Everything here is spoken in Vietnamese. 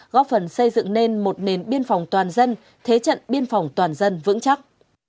góp phần xây dựng nên một nền biên phòng toàn dân thế trận biên phòng toàn dân vững chắc